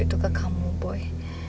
itu ke kamu boy